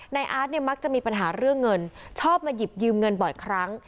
อาร์ตเนี่ยมักจะมีปัญหาเรื่องเงินชอบมาหยิบยืมเงินบ่อยครั้ง